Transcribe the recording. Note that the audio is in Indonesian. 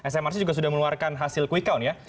smrc juga sudah mengeluarkan hasil quick count ya